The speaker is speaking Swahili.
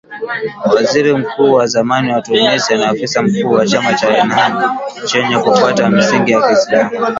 Waziri Mkuu wa zamani wa Tunisia na afisa mkuu wa chama cha Ennahdha chenye kufuata misingi ya kiislam.